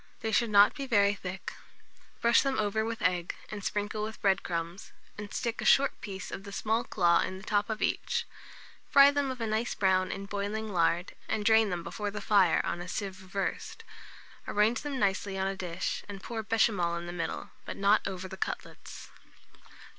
They should not be very thick. Brush them over with egg, and sprinkle with bread crumbs, and stick a short piece of the small claw in the top of each; fry them of a nice brown in boiling lard, and drain them before the fire, on a sieve reversed; arrange them nicely on a dish, and pour béchamel in the middle, but not over the cutlets.